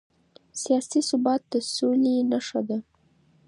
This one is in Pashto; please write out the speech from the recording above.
سیاسي ثبات د سولې نښه ده